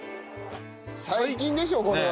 最近でしょこれは。